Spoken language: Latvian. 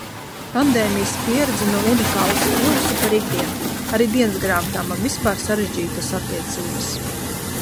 Pandēmijas pieredze no unikālas kļuvusi par ikdienu. Ar dienasgrāmatām man vispār sarežģītas attiecības.